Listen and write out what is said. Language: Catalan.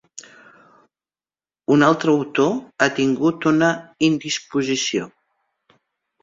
Un altre autor ha tingut una indisposició.